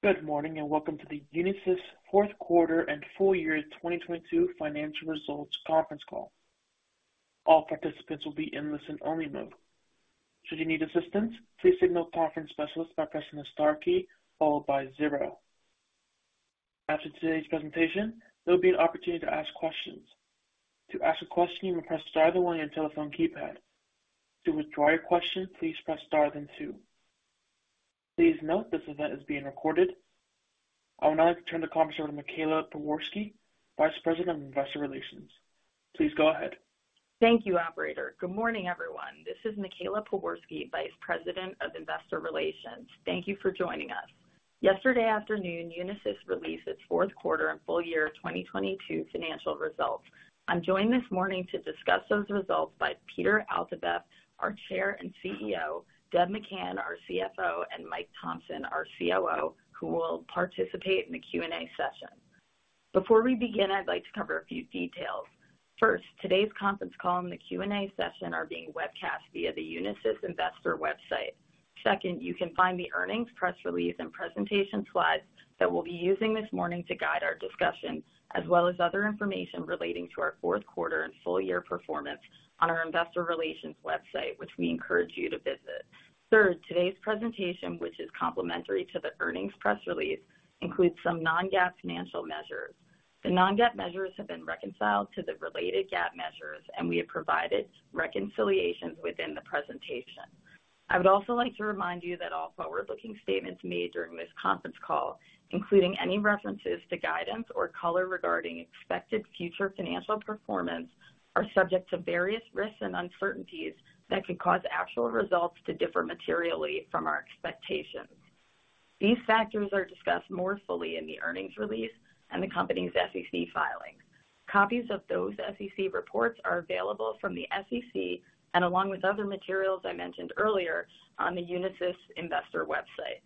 Good morning, and welcome to the Unisys fourth quarter and full year 2022 financial results conference call. All participants will be in listen-only mode. Should you need assistance, please signal a conference specialist by pressing the star key followed by zero. After today's presentation, there will be an opportunity to ask questions. To ask a question, you may press star one on your telephone keypad. To withdraw your question, please press star then two. Please note this event is being recorded. I would now like to turn the conference over to Michaela Pewarski, Vice President of Investor Relations. Please go ahead. Thank you, operator. Good morning, everyone. This is Michaela Pewarski, Vice President of Investor Relations. Thank you for joining us. Yesterday afternoon, Unisys released its fourth quarter and full year 2022 financial results. I'm joined this morning to discuss those results by Peter Altabef, our Chair and CEO, Deb McCann, our CFO, and Mike Thomson, our COO, who will participate in the Q&A session. Before we begin, I'd like to cover a few details. Today's conference call and the Q&A session are being webcast via the Unisys investor website. You can find the earnings press release and presentation slides that we'll be using this morning to guide our discussion, as well as other information relating to our fourth quarter and full year performance on our Investor Relations website, which we encourage you to visit. Third, today's presentation, which is complementary to the earnings press release, includes some non-GAAP financial measures. The non-GAAP measures have been reconciled to the related GAAP measures, and we have provided reconciliations within the presentation. I would also like to remind you that all forward-looking statements made during this conference call, including any references to guidance or color regarding expected future financial performance, are subject to various risks and uncertainties that could cause actual results to differ materially from our expectations. These factors are discussed more fully in the earnings release and the company's SEC filings. Copies of those SEC reports are available from the SEC and along with other materials I mentioned earlier on the Unisys investor website.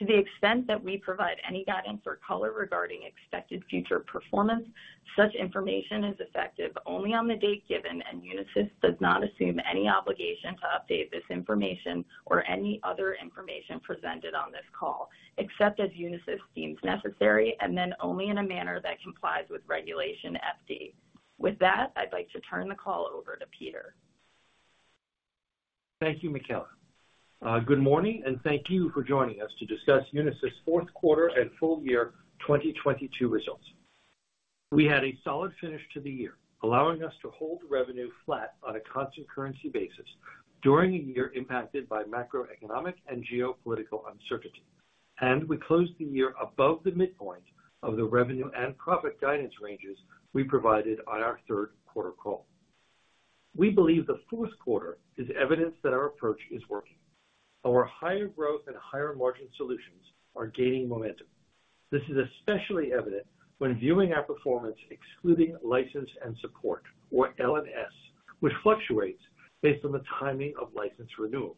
To the extent that we provide any guidance or color regarding expected future performance, such information is effective only on the date given, and Unisys does not assume any obligation to update this information or any other information presented on this call, except as Unisys deems necessary, and then only in a manner that complies with Regulation FD. With that, I'd like to turn the call over to Peter. Thank you, Michaela. Good morning and thank you for joining us to discuss Unisys' fourth quarter and full year 2022 results. We had a solid finish to the year, allowing us to hold revenue flat on a constant-currency basis during a year impacted by macroeconomic and geopolitical uncertainty. We closed the year above the midpoint of the revenue and profit guidance ranges we provided on our third quarter call. We believe the fourth quarter is evidence that our approach is working. Our higher growth and higher margin solutions are gaining momentum. This is especially evident when viewing our performance excluding license and support or L&S, which fluctuates based on the timing of license renewals.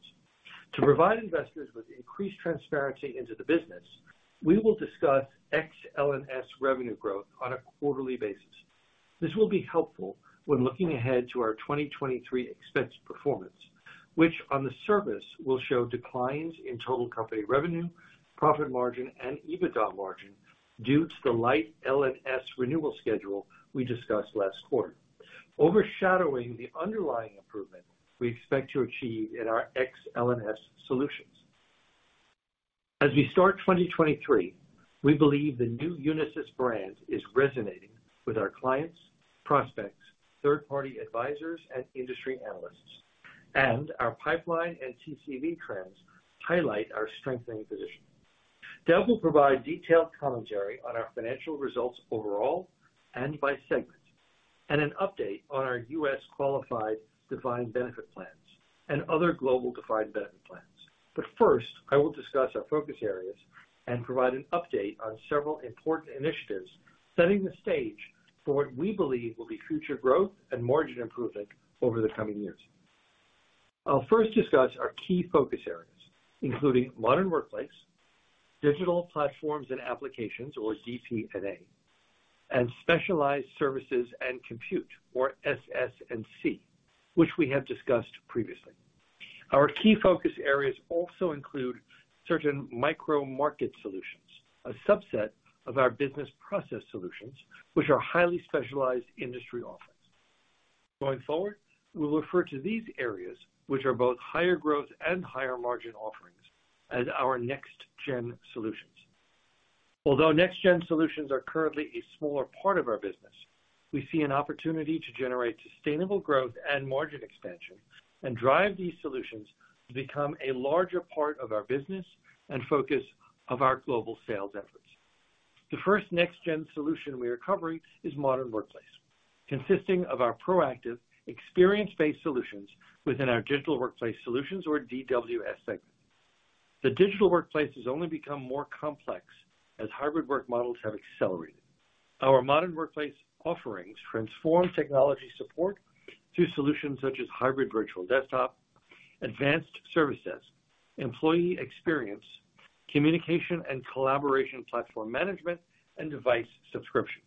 To provide investors with increased transparency into the business, we will discuss ex L&S revenue growth on a quarterly basis. This will be helpful when looking ahead to our 2023 expense performance, which on the surface will show declines in total company revenue, profit margin and EBITDA margin due to the light L&S renewal schedule we discussed last quarter, overshadowing the underlying improvement we expect to achieve in our ex L&S solutions. As we start 2023, we believe the new Unisys brand is resonating with our clients, prospects, third-party advisors and industry analysts, and our pipeline and TCV trends highlight our strengthening position. Deb will provide detailed commentary on our financial results overall and by segment, and an update on our U.S. qualified defined benefit plans and other global defined benefit plans. First, I will discuss our focus areas and provide an update on several important initiatives, setting the stage for what we believe will be future growth and margin improvement over the coming years. I'll first discuss our key focus areas, including Modern Workplace, Digital Platforms and Applications, or DP&A, and Specialized Services and Compute, or SS&C, which we have discussed previously. Our key focus areas also include certain micro market solutions, a subset of our business process solutions, which are highly specialized industry offerings. Going forward, we'll refer to these areas, which are both higher growth and higher margin offerings, as our Next-Gen Solutions. Although Next-Gen Solutions are currently a smaller part of our business, we see an opportunity to generate sustainable growth and margin expansion and drive these solutions to become a larger part of our business and focus of our global sales efforts. The first Next-Gen Solution we are covering is Modern Workplace, consisting of our proactive experience-based solutions within our Digital Workplace Solutions or DWS segment. The digital workplace has only become more complex as hybrid work models have accelerated. Our Modern Workplace offerings transform technology support through solutions such as hybrid virtual desktop, advanced service desk, employee experience, communication and collaboration platform management, and device subscription.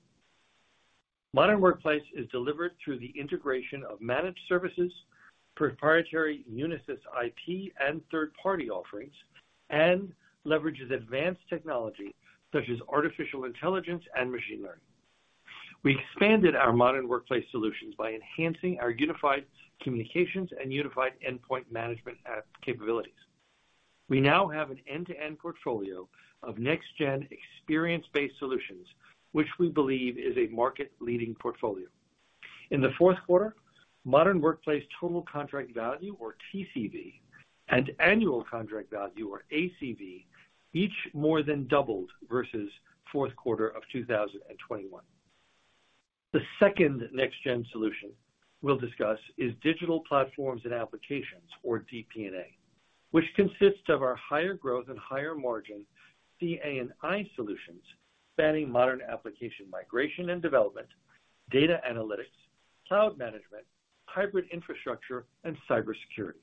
Modern Workplace is delivered through the integration of managed services, proprietary Unisys IT and third-party offerings, and leverages advanced technology such as artificial intelligence and machine learning. We expanded our Modern Workplace solutions by enhancing our unified communications and unified endpoint management app capabilities. We now have an end-to-end portfolio of Next-Gen experience-based solutions, which we believe is a market-leading portfolio. In the fourth quarter, Modern Workplace total contract value, or TCV, and annual contract value, or ACV, each more than doubled versus fourth quarter of 2021. The second Next-Gen Solution we'll discuss is Digital Platforms and Applications, or DP&A, which consists of our higher growth and higher margin CA&I solutions spanning modern application migration and development, data analytics, cloud management, hybrid infrastructure, and cybersecurity.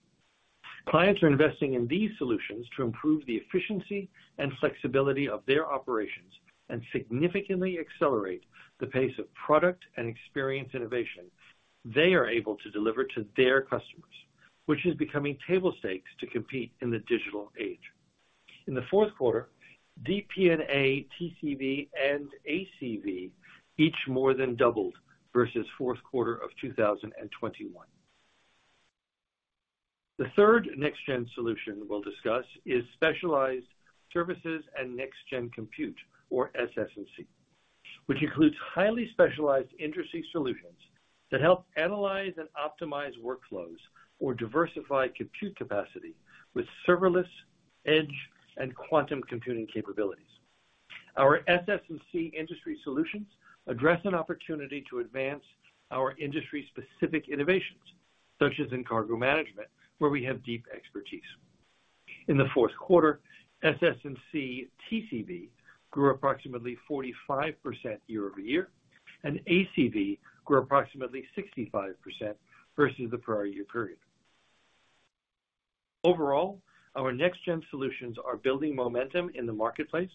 Clients are investing in these solutions to improve the efficiency and flexibility of their operations and significantly accelerate the pace of product and experience innovation they are able to deliver to their customers, which is becoming table stakes to compete in the digital age. In the fourth quarter, DP&A TCV and ACV each more than doubled versus fourth quarter of 2021. The third Next-Gen Solution we'll discuss is Specialized Services and Next-Gen Compute, or SS&C, which includes highly specialized industry solutions that help analyze and optimize workflows or diversify compute capacity with serverless, edge, and quantum computing capabilities. Our SS&C industry solutions address an opportunity to advance our industry-specific innovations, such as in cargo management, where we have deep expertise. In the fourth quarter, SS&C TCV grew approximately 45% year over year, and ACV grew approximately 65% versus the prior year period. Overall, our Next-Gen Solutions are building momentum in the marketplace,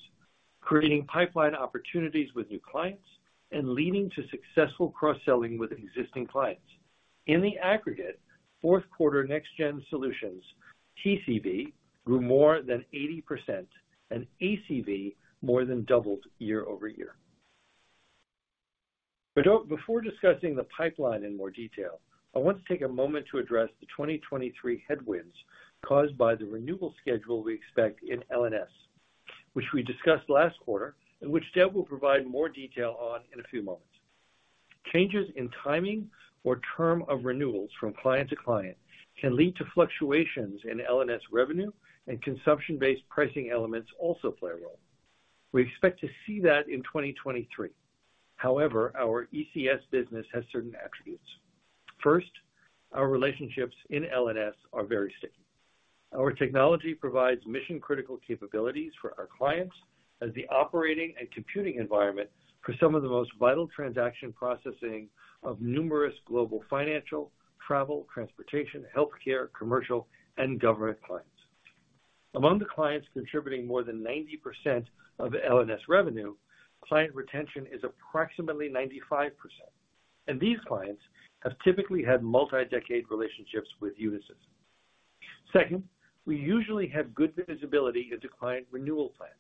creating pipeline opportunities with new clients, and leading to successful cross-selling with existing clients. In the aggregate, fourth quarter Next-Gen Solutions TCV grew more than 80%, and ACV more than doubled year over year. Before discussing the pipeline in more detail, I want to take a moment to address the 2023 headwinds caused by the renewal schedule we expect in L&S, which we discussed last quarter, and which Deb will provide more detail on in a few moments. Changes in timing or term of renewals from client to client can lead to fluctuations in L&S revenue, and consumption-based pricing elements also play a role. We expect to see that in 2023. However, our ECS business has certain attributes. First, our relationships in L&S are very sticky. Our technology provides mission-critical capabilities for our clients as the operating and computing environment for some of the most vital transaction processing of numerous global financial, travel, transportation, healthcare, commercial, and government clients. Among the clients contributing more than 90% of L&S revenue, client retention is approximately 95%, and these clients have typically had multi-decade relationships with Unisys. Second, we usually have good visibility into client renewal plans.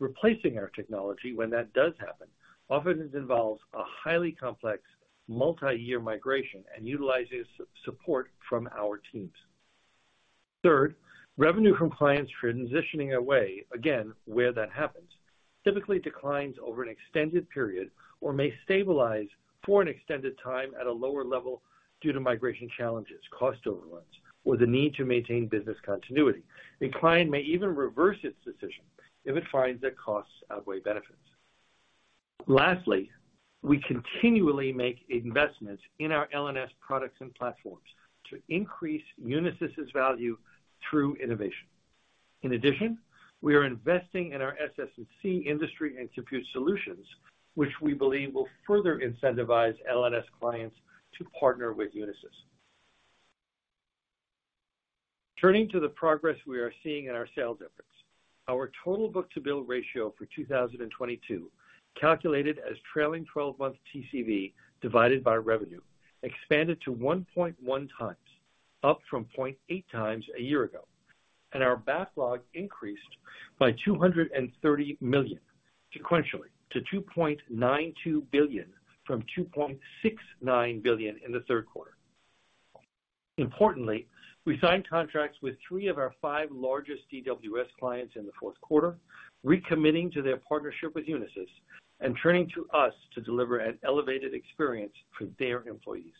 Replacing our technology when that does happen often involves a highly complex multi-year migration and utilizes support from our teams. Third, revenue from clients transitioning away, again, where that happens, typically declines over an extended period or may stabilize for an extended time at a lower level due to migration challenges, cost overruns, or the need to maintain business continuity. A client may even reverse its decision if it finds that costs outweigh benefits. Lastly, we continually make investments in our L&S products and platforms to increase Unisys' value through innovation. In addition, we are investing in our SS&C industry and compute solutions, which we believe will further incentivize L&S clients to partner with Unisys. Turning to the progress we are seeing in our sales efforts. Our total book-to-bill ratio for 2022, calculated as trailing twelve-month TCV divided by revenue, expanded to 1.1 times, up from 0.8 times a year ago. Our backlog increased by $230 million sequentially to $2.92 billion from $2.69 billion in the third quarter. Importantly, we signed contracts with three of our five largest DWS clients in the fourth quarter, recommitting to their partnership with Unisys and turning to us to deliver an elevated experience for their employees.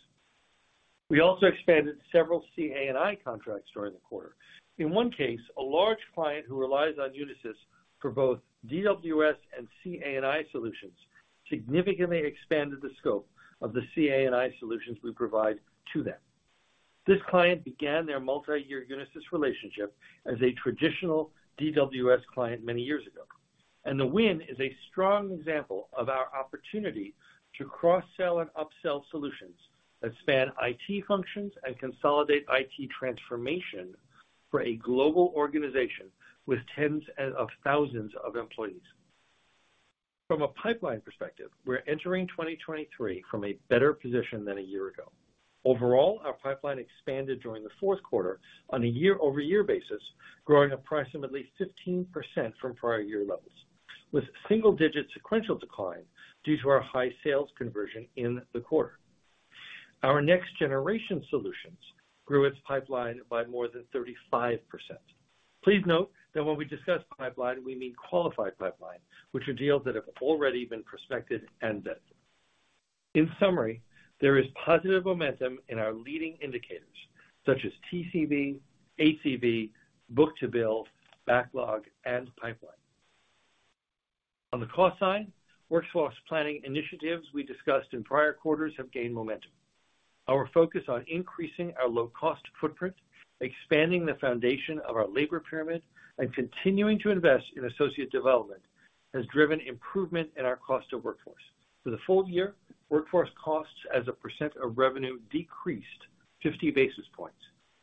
We also expanded several CA&I contracts during the quarter. In one case, a large client who relies on Unisys for both DWS and CA&I solutions significantly expanded the scope of the CA&I solutions we provide to them. This client began their multi-year Unisys relationship as a traditional DWS client many years ago, and the win is a strong example of our opportunity to cross-sell and upsell solutions that span IT functions and consolidate IT transformation for a global organization with tens of thousands of employees. From a pipeline perspective, we are entering 2023 from a better position than a year ago. Overall, our pipeline expanded during the fourth quarter on a year-over-year basis, growing approximately 15% from prior year levels, with single-digit sequential decline due to our high sales conversion in the quarter. Our Next-Gen Solutions grew its pipeline by more than 35%. Please note that when we discuss pipeline, we mean qualified pipeline, which are deals that have already been prospected and vetted. In summary, there is positive momentum in our leading indicators such as TCV, ACV, book-to-bill, backlog, and pipeline. On the cost side, workforce planning initiatives we discussed in prior quarters have gained momentum. Our focus on increasing our low-cost footprint, expanding the foundation of our labor pyramid, and continuing to invest in associate development has driven improvement in our cost of workforce. For the full year, workforce costs as a % of revenue decreased 50 basis points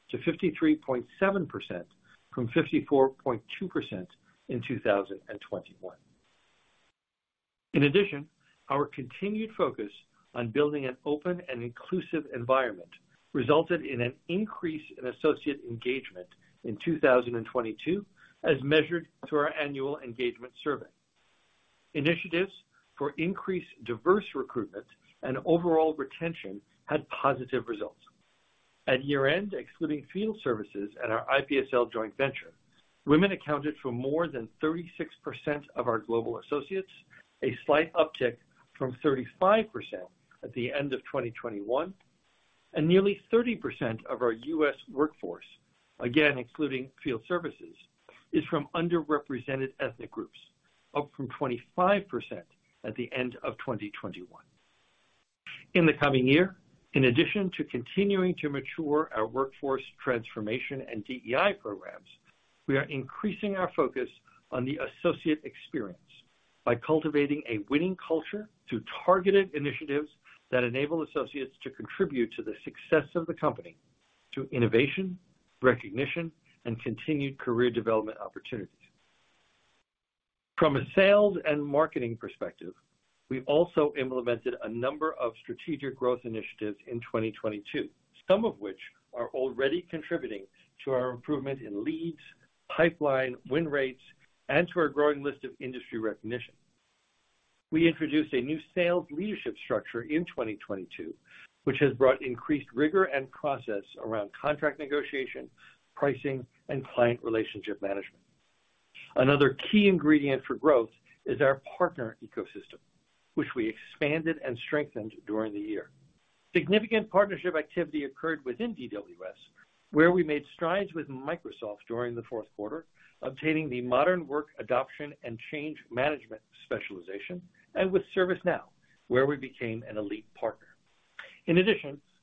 to 53.7% from 54.2% in 2021. Our continued focus on building an open and inclusive environment resulted in an increase in associate engagement in 2022 as measured through our annual engagement survey. Initiatives for increased diverse recruitment and overall retention had positive results. At year-end, excluding field services at our iPSL joint venture, women accounted for more than 36% of our global associates, a slight uptick from 35% at the end of 2021. Nearly 30% of our U.S. workforce, again, including field services, is from underrepresented ethnic groups, up from 25% at the end of 2021. In the coming year, in addition to continuing to mature our workforce transformation and DEI programs, we are increasing our focus on the associate experience by cultivating a winning culture through targeted initiatives that enable associates to contribute to the success of the company through innovation, recognition, and continued career development opportunities. From a sales and marketing perspective, we've also implemented a number of strategic growth initiatives in 2022, some of which are already contributing to our improvement in leads, pipeline, win rates, and to our growing list of industry recognition. We introduced a new sales leadership structure in 2022, which has brought increased rigor and process around contract negotiation, pricing, and client relationship management. Another key ingredient for growth is our partner ecosystem, which we expanded and strengthened during the year. Significant partnership activity occurred within DWS, where we made strides with Microsoft during the fourth quarter, obtaining the modern work adoption and change management specialization, and with ServiceNow, where we became an elite partner.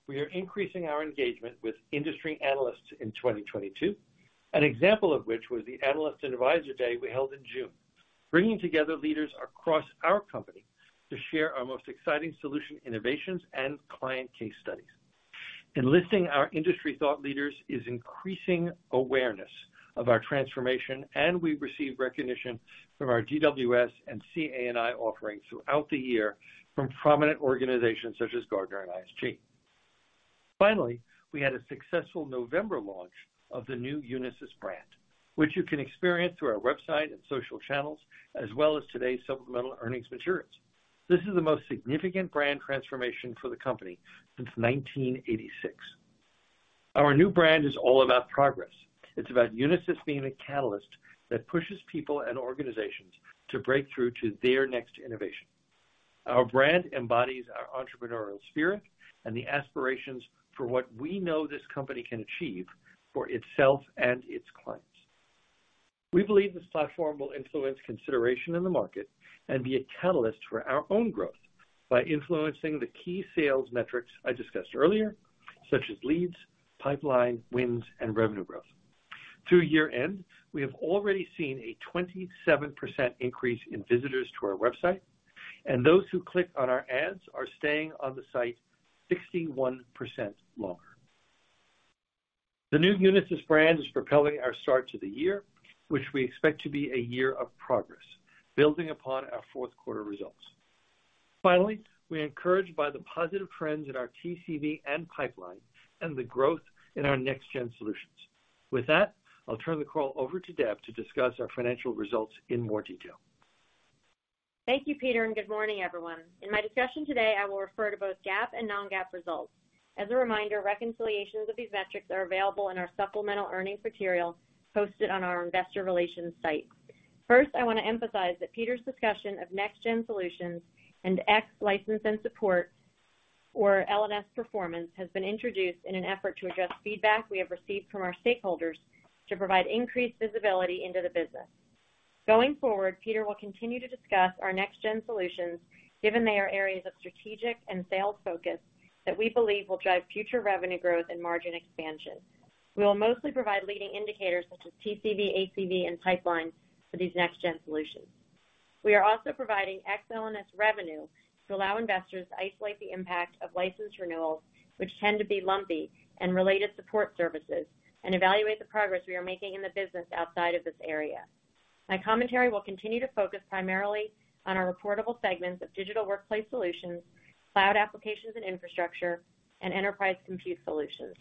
We are increasing our engagement with industry analysts in 2022, an example of which was the Analyst and Advisor Day we held in June, bringing together leaders across our company to share our most exciting solution innovations and client case studies. Enlisting our industry thought leaders is increasing awareness of our transformation, and we've received recognition from our DWS and CA&I offerings throughout the year from prominent organizations such as Gartner and ISG. We had a successful November launch of the new Unisys brand, which you can experience through our website and social channels as well as today's supplemental earnings materials. This is the most significant brand transformation for the company since 1986. Our new brand is all about progress. It's about Unisys being a catalyst that pushes people and organizations to break through to their next innovation. Our brand embodies our entrepreneurial spirit and the aspirations for what we know this company can achieve for itself and its clients. We believe this platform will influence consideration in the market and be a catalyst for our own growth by influencing the key sales metrics I discussed earlier, such as leads, pipeline, wins, and revenue growth. Through year-end, we have already seen a 27% increase in visitors to our website, and those who click on our ads are staying on the site 61% longer. The new Unisys brand is propelling our start to the year, which we expect to be a year of progress, building upon our fourth quarter results. Finally, we are encouraged by the positive trends in our TCV and pipeline and the growth in our Next-Gen Solutions. With that, I'll turn the call over to Deb to discuss our financial results in more detail. Thank you, Peter, and good morning, everyone. In my discussion today, I will refer to both GAAP and non-GAAP results. As a reminder, reconciliations of these metrics are available in our supplemental earnings material posted on our investor relations site. First, I want to emphasize that Peter's discussion of Next-Gen Solutions and X license and support or L&S performance has been introduced in an effort to address feedback we have received from our stakeholders to provide increased visibility into the business. Going forward, Peter will continue to discuss our Next-Gen Solutions given they are areas of strategic and sales focus that we believe will drive future revenue growth and margin expansion. We will mostly provide leading indicators such as TCV, ACV, and pipeline for these Next-Gen Solutions. We are also providing ex L&S revenue to allow investors to isolate the impact of license renewals, which tend to be lumpy in related support services, and evaluate the progress we are making in the business outside of this area. My commentary will continue to focus primarily on our reportable segments of Digital Workplace Solutions, Cloud, Applications & Infrastructure, and Enterprise Computing Solutions.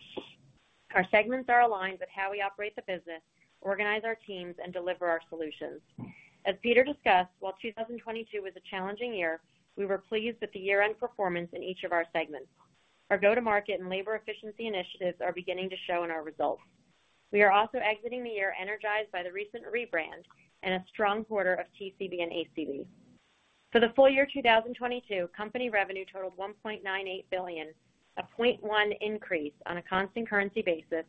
Our segments are aligned with how we operate the business, organize our teams, and deliver our solutions. As Peter discussed, while 2022 was a challenging year, we were pleased with the year-end performance in each of our segments. Our go-to-market and labor efficiency initiatives are beginning to show in our results. We are also exiting the year energized by the recent rebrand and a strong quarter of TCV and ACV. For the full year 2022, company revenue totaled $1.98 billion, a 0.1% increase on a constant currency basis,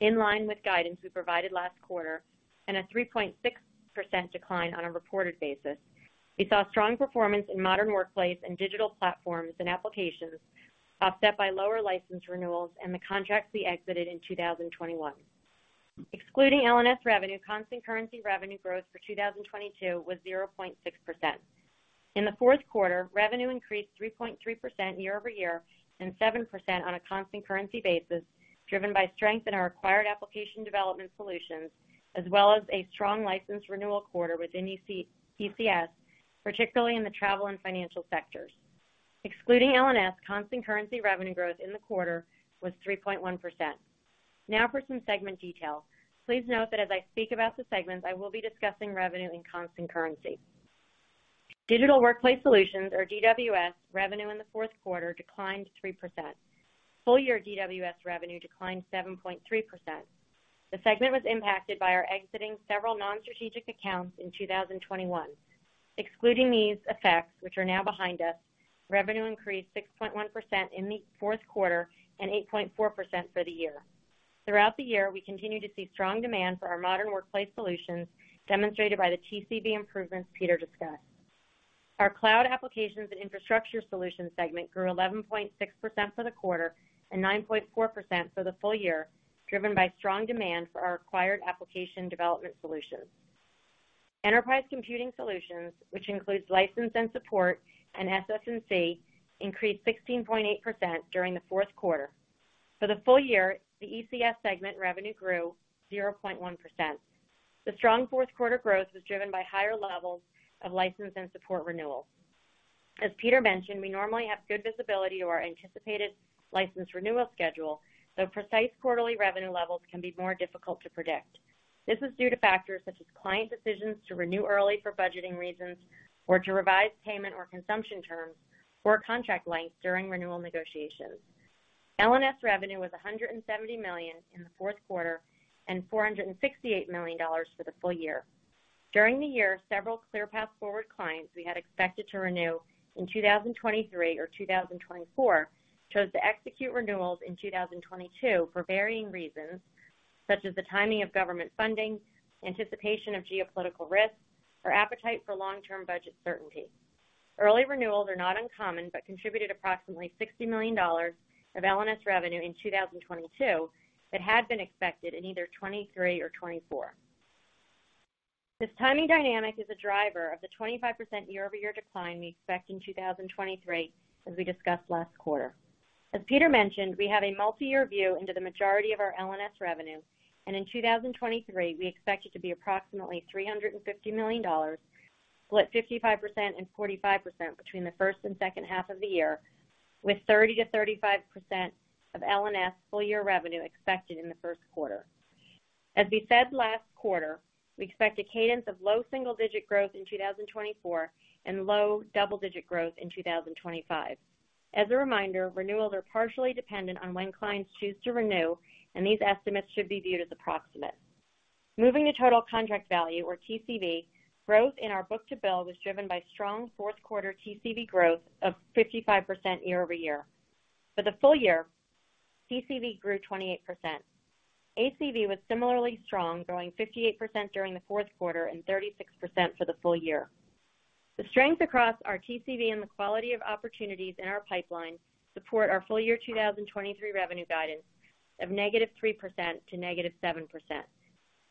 in line with guidance we provided last quarter, and a 3.6% decline on a reported basis. We saw strong performance in Modern Workplace and Digital Platforms and Applications, offset by lower license renewals and the contracts we exited in 2021. Excluding L&S revenue, constant currency revenue growth for 2022 was 0.6%. In the fourth quarter, revenue increased 3.3% year-over-year and 7% on a constant currency basis, driven by strength in our acquired application development solutions, as well as a strong license renewal quarter within ECS, particularly in the travel and financial sectors. Excluding L&S, constant currency revenue growth in the quarter was 3.1%. For some segment detail. Please note that as I speak about the segments, I will be discussing revenue in constant currency. Digital Workplace Solutions, or DWS, revenue in the fourth quarter declined 3%. Full year DWS revenue declined 7.3%. The segment was impacted by our exiting several non-strategic accounts in 2021. Excluding these effects, which are now behind us, revenue increased 6.1% in the fourth quarter and 8.4% for the year. Throughout the year, we continue to see strong demand for our Modern Workplace Solutions, demonstrated by the TCV improvements Peter discussed. Our Cloud, Applications & Infrastructure Solutions segment grew 11.6% for the quarter and 9.4% for the full year, driven by strong demand for our acquired application development solutions. Enterprise Computing Solutions, which includes license and support and SS&C, increased 16.8% during the fourth quarter. For the full year, the ECS segment revenue grew 0.1%. The strong fourth quarter growth was driven by higher levels of license and support renewals. As Peter mentioned, we normally have good visibility to our anticipated license renewal schedule, so precise quarterly revenue levels can be more difficult to predict. This is due to factors such as client decisions to renew early for budgeting reasons, or to revise payment or consumption terms, or contract length during renewal negotiations. L&S revenue was $170 million in the fourth quarter and $468 million for the full year. During the year, several ClearPath Forward clients we had expected to renew in 2023 or 2024 chose to execute renewals in 2022 for varying reasons, such as the timing of government funding, anticipation of geopolitical risks, or appetite for long-term budget certainty. Early renewals are not uncommon, but contributed approximately $60 million of L&S revenue in 2022 that had been expected in either 23 or 24. This timing dynamic is a driver of the 25% year-over-year decline we expect in 2023, as we discussed last quarter. As Peter mentioned, we have a multi-year view into the majority of our L&S revenue, and in 2023, we expect it to be approximately $350 million, split 55% and 45% between the first and second half of the year, with 30%-35% of L&S full-year revenue expected in the first quarter. As we said last quarter, we expect a cadence of low single-digit growth in 2024 and low double-digit growth in 2025. As a reminder, renewals are partially dependent on when clients choose to renew, and these estimates should be viewed as approximate. Moving to total contract value, or TCV, growth in our book-to-bill was driven by strong fourth quarter TCV growth of 55% year-over-year. For the full year, TCV grew 28%. ACV was similarly strong, growing 58% during the fourth quarter and 36% for the full year. The strength across our TCV and the quality of opportunities in our pipeline support our full year 2023 revenue guidance of -3% to -7%.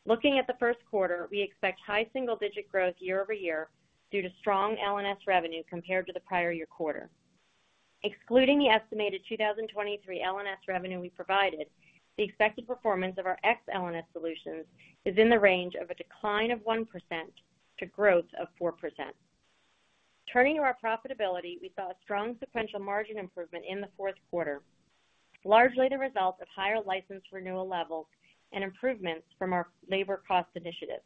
Looking at the first quarter, we expect high single-digit growth year-over-year due to strong L&S revenue compared to the prior year quarter. Excluding the estimated 2023 L&S revenue we provided, the expected performance of our ex L&S solutions is in the range of a decline of 1% to growth of 4%. Turning to our profitability, we saw a strong sequential margin improvement in the 4th quarter, largely the result of higher license renewal levels and improvements from our labor cost initiatives.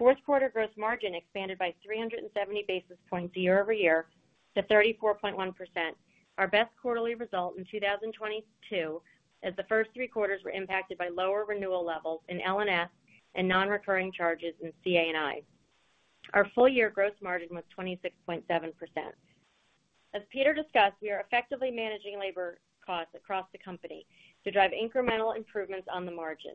4th quarter gross margin expanded by 370 basis points year-over-year to 34.1%, our best quarterly result in 2022, as the first three quarters were impacted by lower renewal levels in L&S and non-recurring charges in CA&I. Our full year gross margin was 26.7%. As Peter discussed, we are effectively managing labor costs across the company to drive incremental improvements on the margin.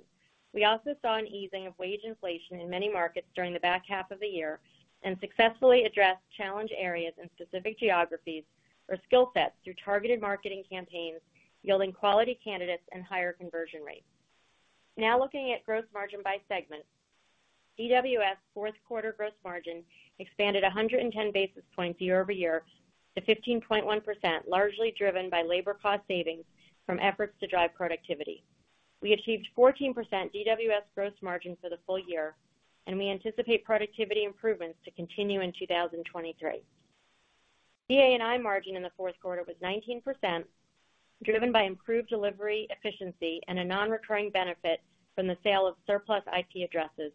We also saw an easing of wage inflation in many markets during the back half of the year and successfully addressed challenge areas in specific geographies or skill sets through targeted marketing campaigns yielding quality candidates and higher conversion rates. Looking at gross margin by segment. DWS fourth quarter gross margin expanded 110 basis points year-over-year to 15.1%, largely driven by labor cost savings from efforts to drive productivity. We achieved 14% DWS gross margin for the full year, and we anticipate productivity improvements to continue in 2023. CA&I margin in the fourth quarter was 19%, driven by improved delivery efficiency and a non-recurring benefit from the sale of surplus IP addresses.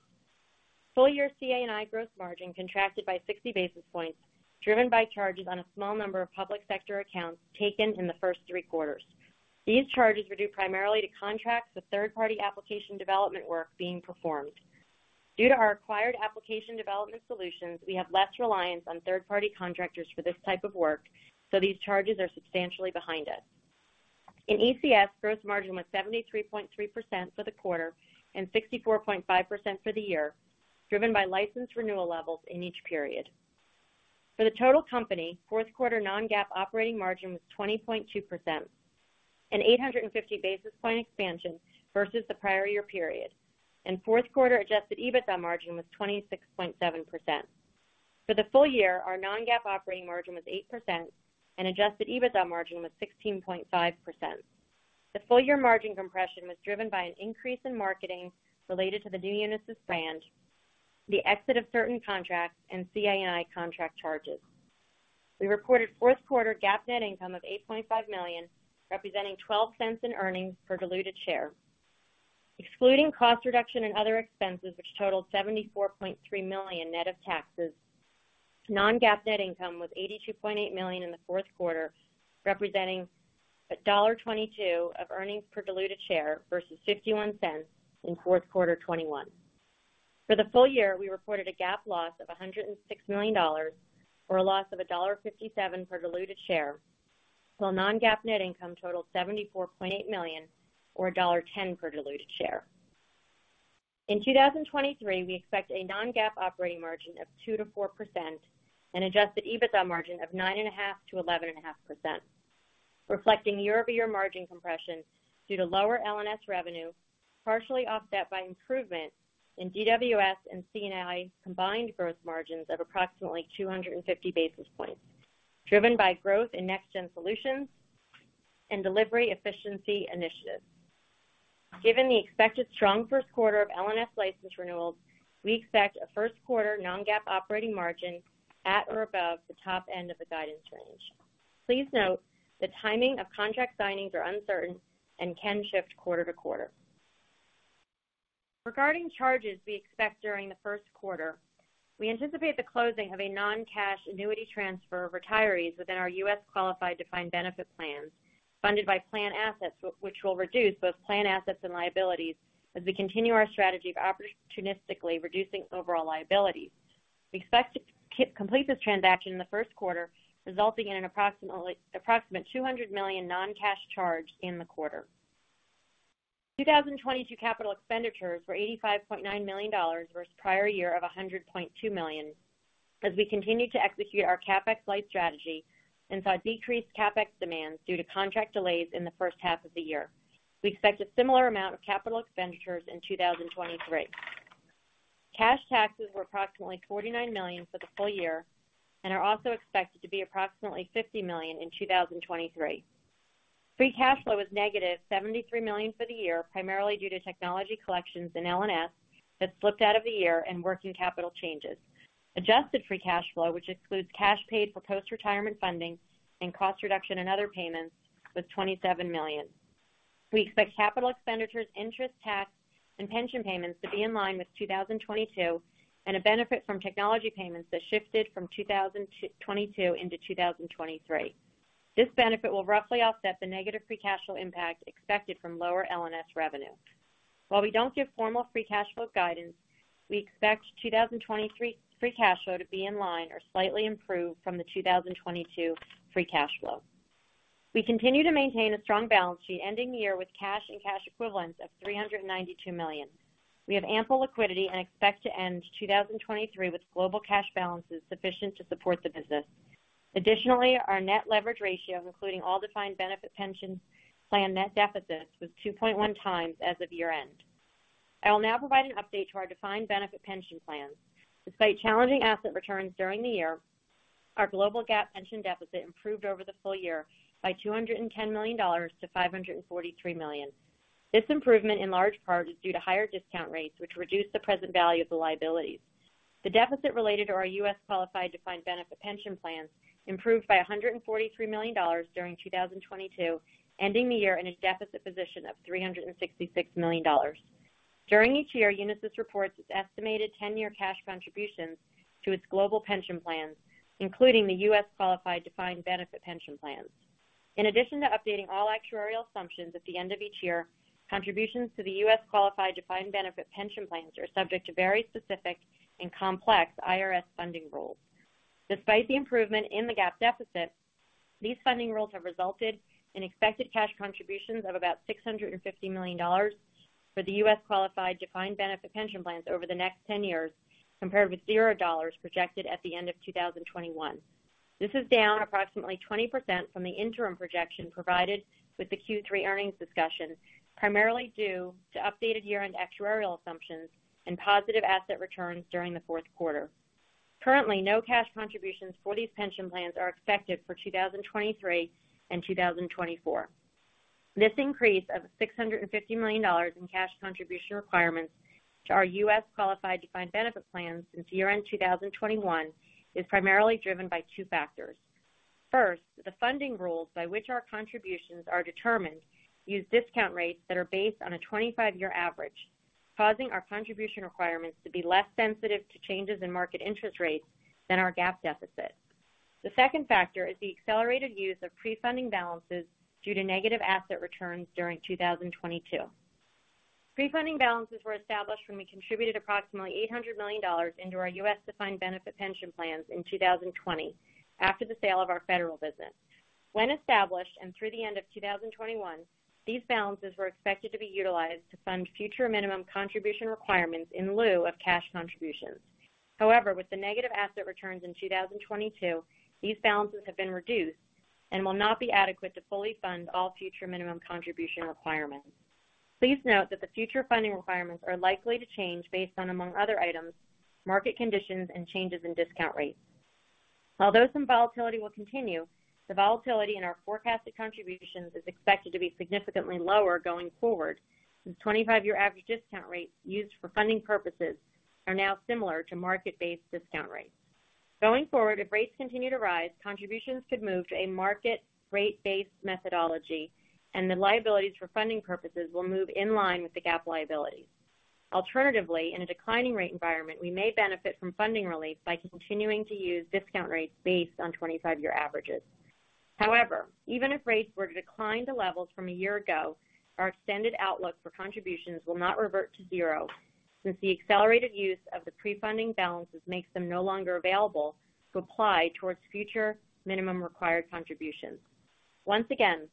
Full year CA&I gross margin contracted by 60 basis points, driven by charges on a small number of public sector accounts taken in the first three quarters. These charges were due primarily to contracts with third-party application development work being performed. Due to our acquired application development solutions, we have less reliance on third-party contractors for this type of work, so these charges are substantially behind us. In ECS, gross margin was 73.3% for the quarter and 64.5% for the year, driven by license renewal levels in each period. For the total company, fourth quarter non-GAAP operating margin was 20.2%, an 850 basis point expansion versus the prior year period, and fourth quarter adjusted EBITDA margin was 26.7%. For the full year, our non-GAAP operating margin was 8% and adjusted EBITDA margin was 16.5%. The full-year margin compression was driven by an increase in marketing related to the new Unisys brand, the exit of certain contracts and CA&I contract charges. We reported fourth quarter GAAP net income of $8.5 million, representing $0.12 in earnings per diluted share. Excluding cost reduction and other expenses, which totaled $74.3 million net of taxes, non-GAAP net income was $82.8 million in the fourth quarter, representing $1.22 of earnings per diluted share versus $0.51 in fourth quarter 2021. For the full year, we reported a GAAP loss of $106 million or a loss of $1.57 per diluted share, while non-GAAP net income totaled $74.8 million or $1.10 per diluted share. In 2023, we expect a non-GAAP operating margin of 2%-4% and adjusted EBITDA margin of 9.5%-11.5%, reflecting year-over-year margin compression due to lower L&S revenue, partially offset by improvement in DWS and CA&I combined gross margins of approximately 250 basis points, driven by growth in Next-Gen Solutions and delivery efficiency initiatives. Given the expected strong first quarter of L&S license renewals, we expect a first quarter non-GAAP operating margin at or above the top end of the guidance range. Please note the timing of contract signings is uncertain and can shift quarter to quarter. Regarding charges we expect during the first quarter, we anticipate the closing of a non-cash annuity transfer of retirees within our U.S. qualified defined benefit plans funded by plan assets, which will reduce both plan assets and liabilities as we continue our strategy of opportunistically reducing overall liabilities. We expect to complete this transaction in the first quarter, resulting in an approximately $200 million non-cash charge in the quarter. 2022 capital expenditures were $85.9 million versus prior year of $100.2 million. As we continue to execute our CapEx light strategy and saw decreased CapEx demands due to contract delays in the first half of the year, we expect a similar amount of capital expenditures in 2023. Cash taxes were approximately $49 million for the full year and are also expected to be approximately $50 million in 2023. Free cash flow was -$73 million for the year, primarily due to technology collections in L&S that slipped out of the year and working capital changes. Adjusted free cash flow, which includes cash paid for post-retirement funding and cost reduction and other payments, was $27 million. We expect capital expenditures, interest, tax, and pension payments to be in line with 2022, and a benefit from technology payments that shifted from 2022 into 2023. This benefit will roughly offset the negative free cash flow impact expected from lower L&S revenue. While we don't give formal free cash flow guidance, we expect 2023 free cash flow to be in line or slightly improved from the 2022 free cash flow. We continue to maintain a strong balance sheet ending the year with cash and cash equivalents of $392 million. We have ample liquidity and expect to end 2023 with global cash balances sufficient to support the business. Additionally, our net leverage ratio, including all defined benefit pension plan net deficits, was 2.1 times as of year-end. I will now provide an update to our defined benefit pension plans. Despite challenging asset returns during the year, our global GAAP pension deficit improved over the full year by $210 million to $543 million. This improvement in large part is due to higher discount rates, which reduce the present value of the liabilities. The deficit related to our U.S. qualified defined benefit pension plans improved by $143 million during 2022, ending the year in a deficit position of $366 million. During each year, Unisys reports its estimated 10-year cash contributions to its global pension plans, including the U.S. qualified defined benefit pension plans. In addition to updating all actuarial assumptions at the end of each year, contributions to the U.S. qualified defined benefit pension plans are subject to very specific and complex IRS funding rules. Despite the improvement in the GAAP deficit, these funding rules have resulted in expected cash contributions of about $650 million for the U.S. qualified defined benefit pension plans over the next 10 years, compared with $0 projected at the end of 2021. This is down approximately 20% from the interim projection provided with the Q3 earnings discussion, primarily due to updated year-end actuarial assumptions and positive asset returns during the fourth quarter. Currently, no cash contributions for these pension plans are expected for 2023 and 2024. This increase of $650 million in cash contribution requirements to our U.S. qualified defined benefit plans since year-end 2021 is primarily driven by two factors. First, the funding rules by which our contributions are determined use discount rates that are based on a 25-year average, causing our contribution requirements to be less sensitive to changes in market interest rates than our GAAP deficit. The second factor is the accelerated use of pre-funding balances due to negative asset returns during 2022. Pre-funding balances were established when we contributed approximately $800 million into our U.S. defined benefit pension plans in 2020 after the sale of our federal business. When established and through the end of 2021, these balances were expected to be utilized to fund future minimum contribution requirements in lieu of cash contributions. However, with the negative asset returns in 2022, these balances have been reduced and will not be adequate to fully fund all future minimum contribution requirements. Please note that the future funding requirements are likely to change based on, among other items, market conditions and changes in discount rates. Although some volatility will continue, the volatility in our forecasted contributions is expected to be significantly lower going forward, since 25-year average discount rates used for funding purposes are now similar to market-based discount rates. Going forward, if rates continue to rise, contributions could move to a market rate-based methodology and the liabilities for funding purposes will move in line with the GAAP liabilities. Alternatively, in a declining rate environment, we may benefit from funding relief by continuing to use discount rates based on 25-year averages. However, even if rates were to decline to levels from a year ago, our extended outlook for contributions will not revert to zero, since the accelerated use of the pre-funding balances makes them no longer available to apply towards future minimum required contributions. Once again,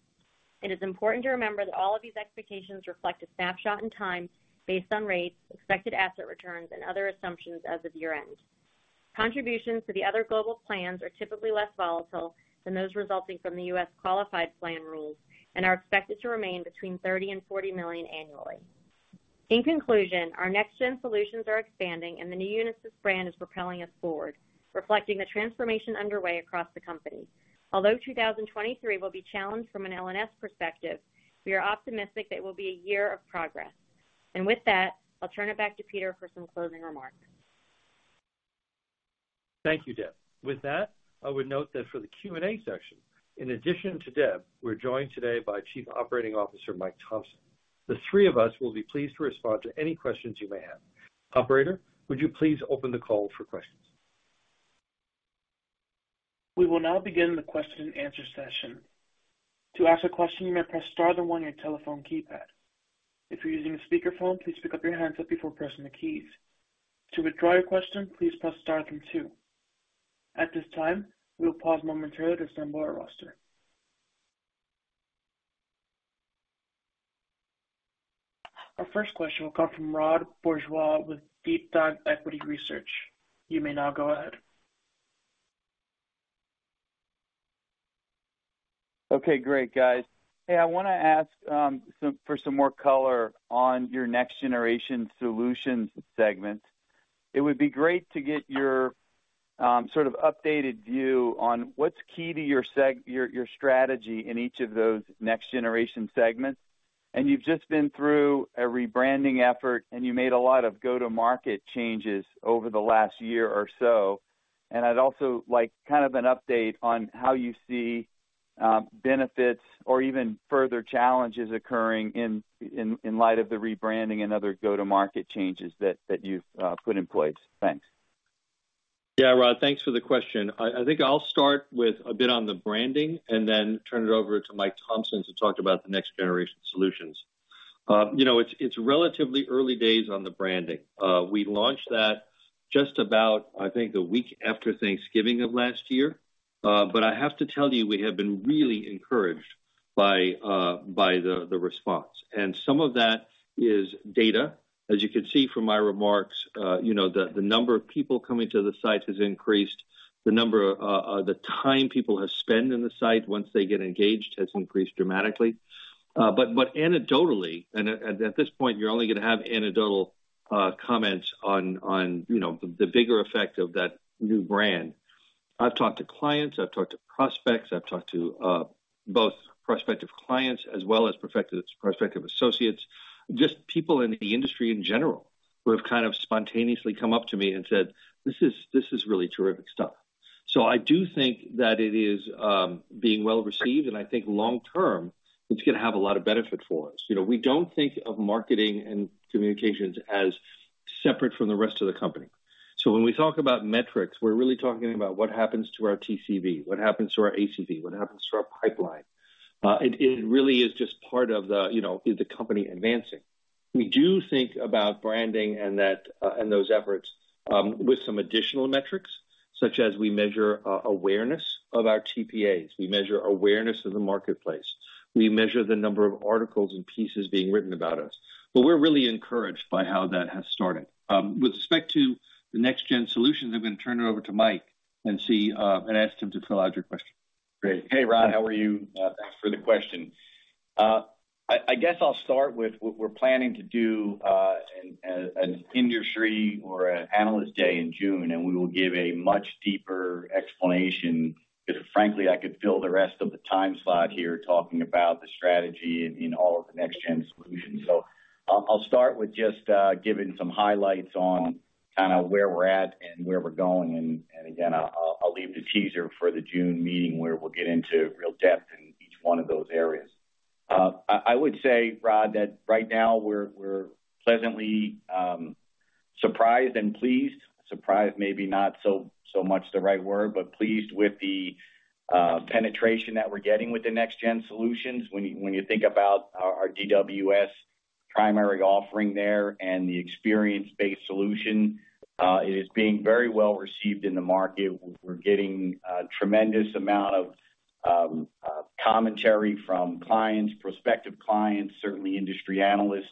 it is important to remember that all of these expectations reflect a snapshot in time based on rates, expected asset returns, and other assumptions as of year-end. Contributions to the other global plans are typically less volatile than those resulting from the U.S. qualified plan rules and are expected to remain between $30 million and $40 million annually. In conclusion, our Next-Gen Solutions are expanding and the new Unisys brand is propelling us forward, reflecting the transformation underway across the company. Although 2023 will be challenged from an L&S perspective, we are optimistic that it will be a year of progress. With that, I'll turn it back to Peter for some closing remarks. Thank you, Deb. With that, I would note that for the Q&A section, in addition to Deb, we're joined today by Chief Operating Officer, Mike Thomson. The three of us will be pleased to respond to any questions you may have. Operator, would you please open the call for questions? We will now begin the question and answer session. To ask a question, you may press star then one on your telephone keypad. If you're using a speakerphone, please pick up your handset before pressing the keys. To withdraw your question, please press star then two. At this time, we will pause momentarily to assemble our roster. Our first question will come from Rod Bourgeois with DeepDive Equity Research. You may now go ahead. Okay, great, guys. Hey, I wanna ask for some more color on your Next-Gen Solutions segments. It would be great to get your sort of updated view on what's key to your strategy in each of those Next-Gen Solutions segments. You've just been through a rebranding effort, and you made a lot of go-to-market changes over the last year or so. I'd also like kind of an update on how you see benefits or even further challenges occurring in light of the rebranding and other go-to-market changes that you've put in place. Thanks. Rod, thanks for the question. I think I'll start with a bit on the branding and then turn it over to Mike Thomson to talk about the Next-Gen Solutions. You know, it's relatively early days on the branding. We launched that just about, I think, a week after Thanksgiving of last year. I have to tell you, we have been really encouraged by the response. Some of that is data. As you can see from my remarks, you know, the number of people coming to the site has increased. The number, the time people have spent in the site once they get engaged has increased dramatically. Anecdotally, and at this point, you're only gonna have anecdotal comments on, you know, the bigger effect of that new brand. I've talked to clients, I've talked to prospects, I've talked to both prospective clients as well as prospective associates, just people in the industry in general who have kind of spontaneously come up to me and said, "This is really terrific stuff." I do think that it is being well received, and I think long term, it's gonna have a lot of benefit for us. You know, we don't think of marketing and communications as separate from the rest of the company. When we talk about metrics, we're really talking about what happens to our TCV, what happens to our ACV, what happens to our pipeline. It really is just part of the, you know, the company advancing. We do think about branding and that, and those efforts, with some additional metrics, such as we measure, awareness of our TPAs, we measure awareness of the marketplace. We measure the number of articles and pieces being written about us. We're really encouraged by how that has started. With respect to the Next-Gen Solutions, I'm gonna turn it over to Mike and see and ask him to fill out your question. Great. Hey, Rod, how are you? Thanks for the question. I guess I'll start with what we're planning to do in an industry or an analyst day in June, and we will give a much deeper explanation because frankly, I could fill the rest of the time slot here talking about the strategy in all of the Next-Gen Solutions. I'll start with just giving some highlights on kinda where we're at and where we're going. Again, I'll leave the teaser for the June meeting where we'll get into real depth in each one of those areas. I would say, Rod, that right now we're pleasantly surprised and pleased. Surprised maybe not so much the right word, but pleased with the penetration that we're getting with the Next-Gen Solutions. When you think about our DWS primary offering there and the experience-based solution, it is being very well received in the market. We're getting a tremendous amount of commentary from clients, prospective clients, certainly industry analysts.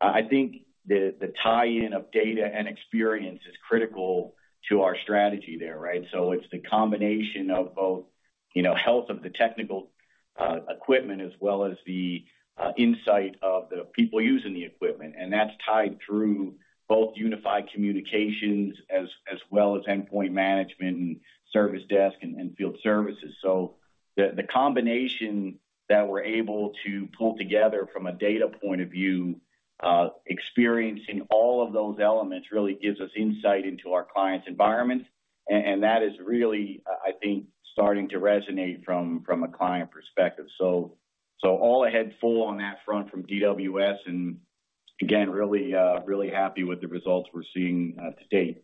I think the tie-in of data and experience is critical to our strategy there, right? It's the combination of both, you know, health of the technical equipment as well as the insight of the people using the equipment. That's tied through both unified communications as well as endpoint management and service desk and field services. The combination that we're able to pull together from a data point of view, experiencing all of those elements really gives us insight into our clients' environment. And that is really, I think, starting to resonate from a client perspective. All ahead full on that front from DWS, and again, really happy with the results we're seeing to date.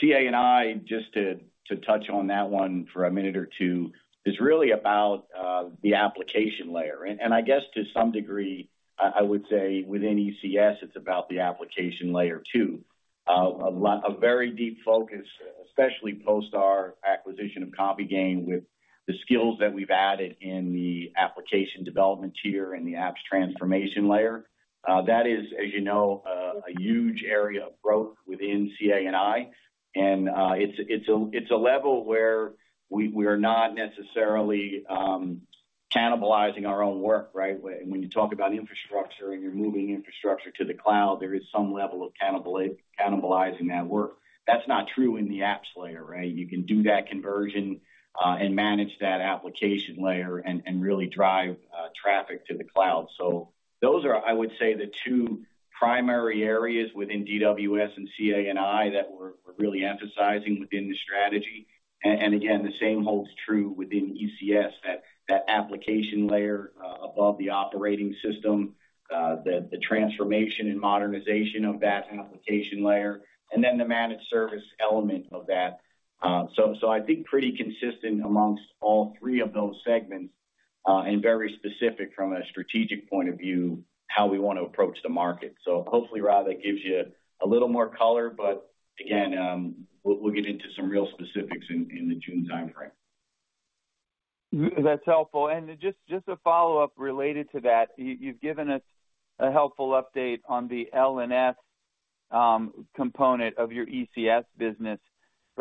CA&I, just to touch on that one for a minute or two, is really about the application layer. I guess to some degree, I would say within ECS, it's about the application layer too. A very deep focus, especially post our acquisition of CompuGain with the skills that we've added in the application development tier and the apps transformation layer. That is, as you know, a huge area of growth within CA&I. It's a level where we're not necessarily cannibalizing our own work, right? When you talk about infrastructure, and you're moving infrastructure to the cloud, there is some level of cannibalizing that work. That's not true in the apps layer, right? You can do that conversion and manage that application layer and really drive traffic to the cloud. Those are, I would say, the two primary areas within DWS and CA&I that we're really emphasizing within the strategy. Again, the same holds true within ECS, that application layer above the operating system, the transformation and modernization of that application layer, and then the managed service element of that. I think pretty consistent amongst all three of those segments and very specific from a strategic point of view, how we wanna approach the market. Hopefully, Rod, that gives you a little more color. Again, we'll get into some real specifics in the June timeframe. That's helpful. Just a follow-up related to that. You've given us a helpful update on the L&S component of your ECS business.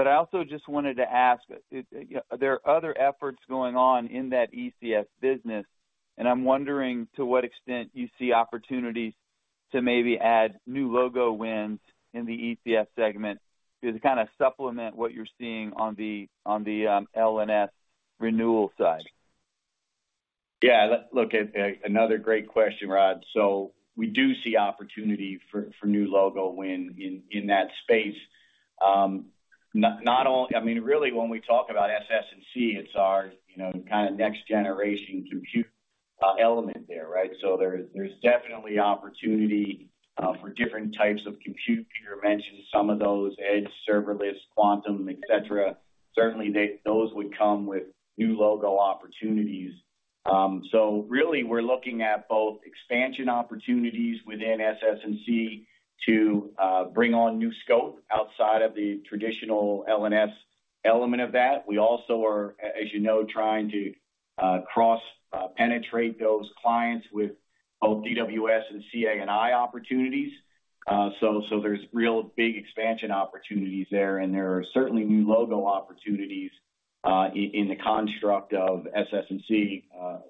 I also just wanted to ask if there are other efforts going on in that ECS business, and I'm wondering to what extent you see opportunities to maybe add new logo wins in the ECS segment to kind of supplement what you're seeing on the L&S renewal side. Yeah. Look, another great question, Rod. We do see opportunity for new logo win in that space. Not only, I mean, really, when we talk about SS&C, it's our, you know, kind of Next-Gen compute element there, right? There's definitely opportunity for different types of compute. Peter mentioned some of those, Edge, serverless, quantum, et cetera. Certainly, those would come with new logo opportunities. Really, we're looking at both expansion opportunities within SS&C to bring on new scope outside of the traditional L&S element of that. We also are, as you know, trying to cross-penetrate those clients with both DWS and CA&I opportunities. There's real big expansion opportunities there, and there are certainly new logo opportunities in the construct of SS&C.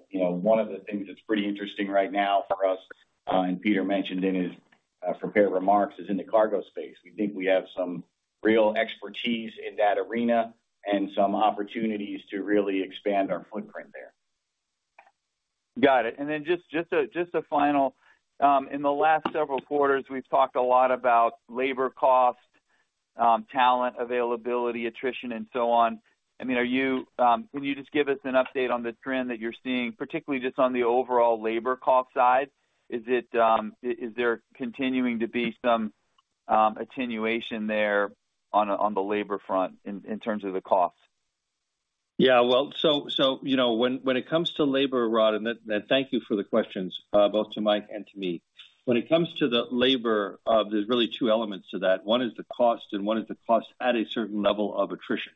you know, one of the things that's pretty interesting right now for us, and Peter mentioned in his prepared remarks, is in the cargo space. We think we have some real expertise in that arena and some opportunities to really expand our footprint there. Got it. Then just a final, in the last several quarters, we've talked a lot about labor cost, talent availability, attrition, and so on. I mean, are you, can you just give us an update on the trend that you're seeing, particularly just on the overall labor cost side? Is it, is there continuing to be some attenuation there on the labor front in terms of the cost? Yeah. Well, you know, when it comes to labor, Rod, and thank you for the questions, both to Mike and to me. When it comes to the labor, there's really two elements to that. One is the cost, and one is the cost at a certain level of attrition.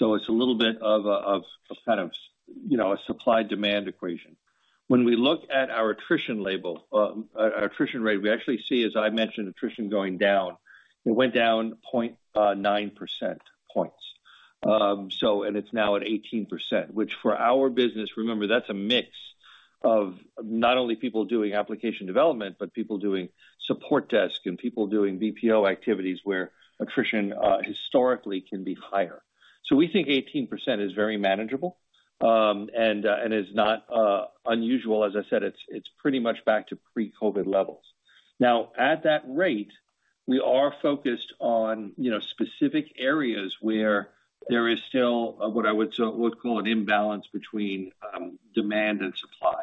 It's a little bit of a kind of, you know, a supply demand equation. When we look at our attrition rate, we actually see, as I mentioned, attrition going down. It went down 0.9 percentage points. It's now at 18%, which for our business, remember, that's a mix of not only people doing application development, but people doing support desk and people doing BPO activities where attrition historically can be higher. We think 18% is very manageable and is not unusual. As I said, it's pretty much back to pre-COVID levels. At that rate, we are focused on, you know, specific areas where there is still what I would call an imbalance between demand and supply.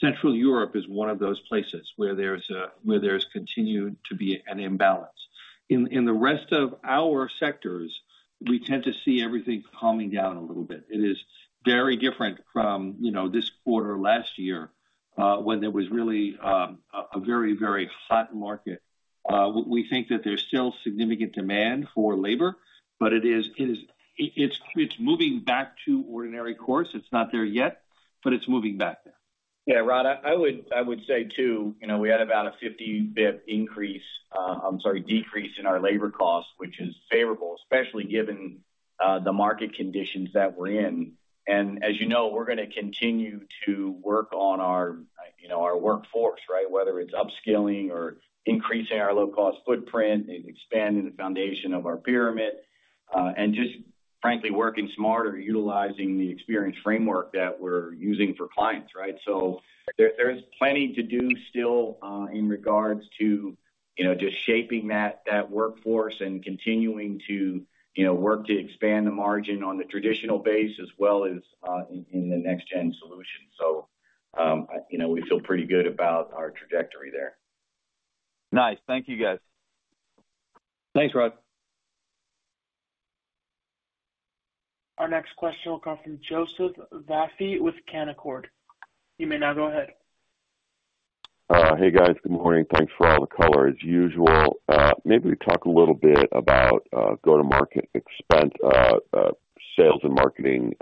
Central Europe is one of those places where there's continued to be an imbalance. In the rest of our sectors, we tend to see everything calming down a little bit. It is very different from, you know, this quarter last year, when there was really a very, very hot market. We think that there's still significant demand for labor, but it's moving back to ordinary course. It's not there yet, but it's moving back there. Yeah. Rod, I would say too, you know, we had about a 50 bip increase, I'm sorry, decrease in our labor cost, which is favorable, especially given, the market conditions that we're in. As you know, we're gonna continue to work on our, you know, our workforce, right? Whether it's upskilling or increasing our low-cost footprint and expanding the foundation of our pyramid, and just frankly, working smarter, utilizing the experience framework that we're using for clients, right? There is plenty to do still, in regards to, you know, just shaping that workforce and continuing to, you know, work to expand the margin on the traditional base as well as, in the Next-Gen Solution. You know, we feel pretty good about our trajectory there. Nice. Thank you, guys. Thanks, Rod. Our next question will come from Joseph Vafi with Canaccord. You may now go ahead. Hey, guys. Good morning. Thanks for all the color as usual. Maybe talk a little bit about go-to-market expense, sales and marketing,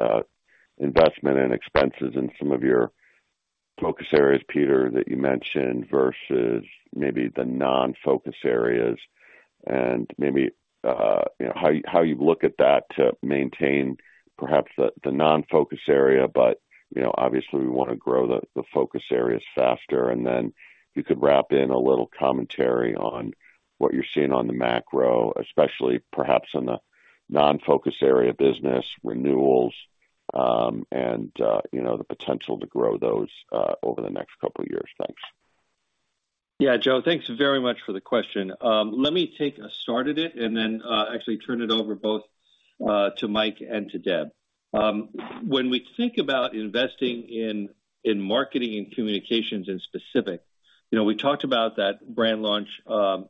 investment and expenses in some of your focus areas, Peter, that you mentioned, versus maybe the non-focus areas. Maybe, you know, how you look at that to maintain perhaps the non-focus area, but, you know, obviously we wanna grow the focus areas faster. If you could wrap in a little commentary on what you're seeing on the macro, especially perhaps in the non-focus area business renewals, and, you know, the potential to grow those over the next couple of years. Thanks. Yeah. Joe, thanks very much for the question. Let me take a start at it and then actually turn it over both to Mike and to Deb. When we think about investing in marketing and communications in specific, you know, we talked about that brand launch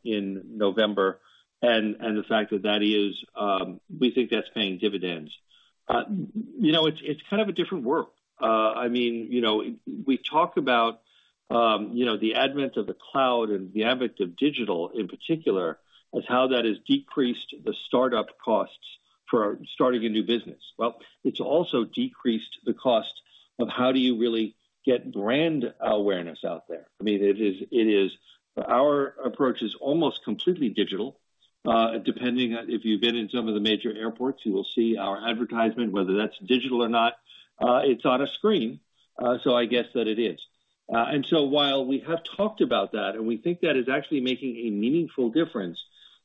in November and the fact that that is, we think that's paying dividends. You know, it's kind of a different world. I mean, you know, we talk about, you know, the advent of the cloud and the advent of digital in particular, as how that has decreased the startup costs for starting a new business. Well, it's also decreased the cost of how do you really get brand awareness out there. I mean, our approach is almost completely digital. Depending if you've been in some of the major airports, you will see our advertisement, whether that's digital or not, it's on a screen. I guess that it is. While we have talked about that, and we think that is actually making a meaningful difference,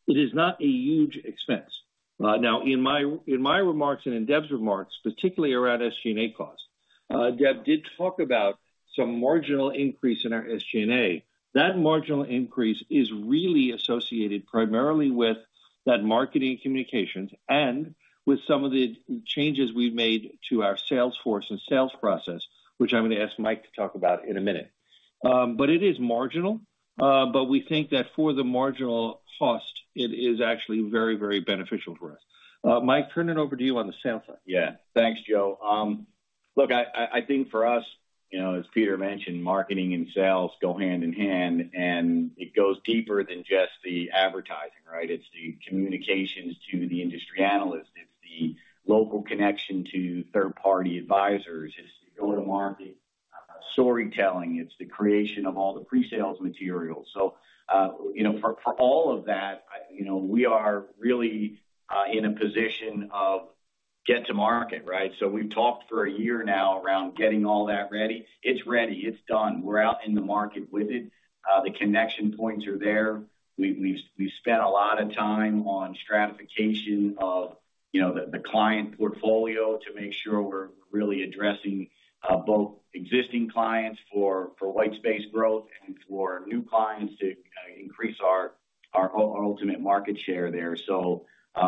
it is not a huge expense. Now in my remarks and in Deb's remarks, particularly around SG&A cost, Deb did talk about some marginal increase in our SG&A. That marginal increase is really associated primarily with that marketing communications and with some of the changes we've made to our sales force and sales process, which I'm gonna ask Mike to talk about in a minute. It is marginal, but we think that for the marginal cost, it is actually very, very beneficial for us. Mike, turn it over to you on the sales side. Yeah. Thanks, Joe. Look, I think for us, you know, as Peter mentioned, marketing and sales go hand in hand, and it goes deeper than just the advertising, right? It's the communications to the industry analysts. It's the local connection to third-party advisors. It's go-to-market storytelling. It's the creation of all the pre-sales materials. You know, for all of that, I, you know, we are really in a position of get to market, right? We've talked for a year now around getting all that ready. It's ready. It's done. We're out in the market with it. The connection points are there. We've spent a lot of time on stratification of, you know, the client portfolio to make sure we're really addressing both existing clients for white space growth and for new clients to increase our ultimate market share there.